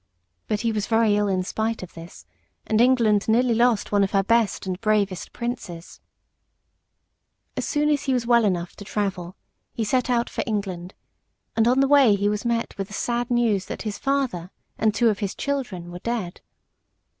But he was very ill in spite of this, and England nearly lost one of her best and bravest princes. [Sidenote: A.D. 1272.] As soon as he was well enough to travel, he set out for England, and on the way he was met with the sad news that his father and two of his children were dead.